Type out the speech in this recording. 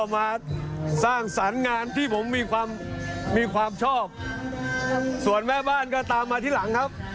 มันอยู่ในจิตวิญญาณ